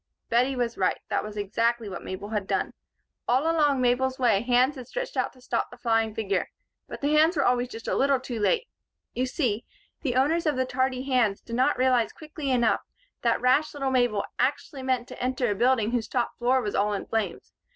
Bettie was right. That was exactly what Mabel had done. All along Mabel's way hands had stretched out to stop the flying figure. But the hands were always just a little too late. You see, the owners of the tardy hands did not realize quickly enough that rash little Mabel actually meant to enter a building whose top floor was all in flames.